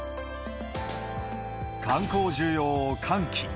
観光需要を喚起。